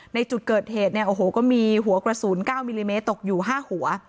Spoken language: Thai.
ในจุดเกิดเหตุเนี่ยโอ้โหก็มีหัวกระสุน๙มิลลิเมตรตกอยู่๕หัว